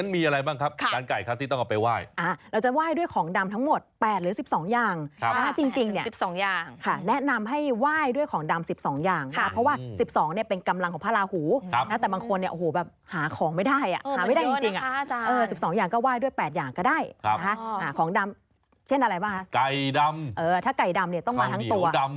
นะคะขอบคุณค่ะค่ะค่ะค่ะค่ะค่ะค่ะค่ะค่ะค่ะค่ะค่ะค่ะค่ะค่ะค่ะค่ะค่ะค่ะค่ะค่ะค่ะค่ะค่ะค่ะค่ะค่ะค่ะค่ะค่ะค่ะค่ะค่ะค่ะค่ะค่ะค่ะค่ะค่ะค่ะค่ะค่ะค่ะค่ะค่ะค่ะค่ะค่ะค่ะค่ะค่ะค่ะค